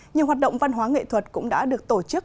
nhiều hoạt động văn hóa nghệ thuật cũng đã được tổ chức